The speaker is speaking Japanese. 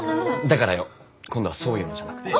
だからよ。今度はそういうのじゃなくて。